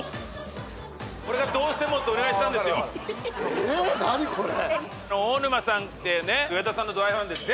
えー何これ。